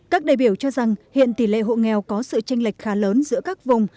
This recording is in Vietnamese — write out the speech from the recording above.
các đại biểu cho rằng hiện tỷ lệ hộ nghèo có sự tranh lệch khá lớn giữa các vùng